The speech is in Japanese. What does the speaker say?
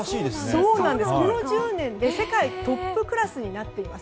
この１０年で世界トップクラスになっています。